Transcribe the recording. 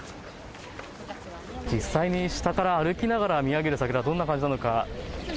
実際に下から歩きながら見上げる桜、どんな感じなのか。